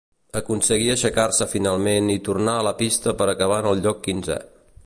Aconseguí aixecar-se finalment i tornar a pista per acabar en el lloc quinzè.